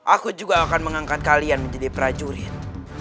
aku juga akan mengangkat kalian menjadi prajurit